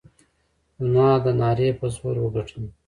زما د نعرې په زور وګټله.